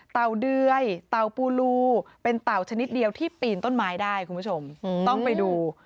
เดื่อยเต่าปูรูเป็นเต่าชนิดเดียวที่ปีนต้นไม้ได้คุณผู้ชมต้องไปดู